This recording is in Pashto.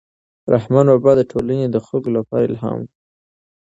رحمان بابا د ټولنې د خلکو لپاره الهام و.